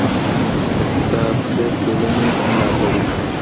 اقتصاد د ټولني ملا تړي.